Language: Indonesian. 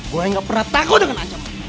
gue gak pernah takut dengan ancaman